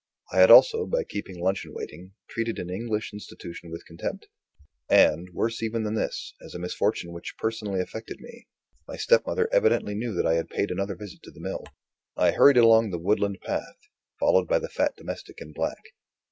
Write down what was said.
I had also, by keeping luncheon waiting, treated an English institution with contempt. And, worse even than this, as a misfortune which personally affected me, my stepmother evidently knew that I had paid another visit to the mill. I hurried along the woodland path, followed by the fat domestic in black.